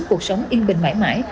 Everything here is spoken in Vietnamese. cuộc sống yên bình mãi mãi